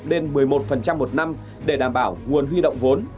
lên một mươi một một năm để đảm bảo nguồn huy động vốn